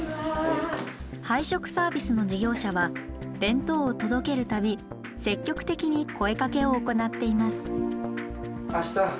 配食サービスの事業者は弁当を届ける度積極的に声かけを行っています。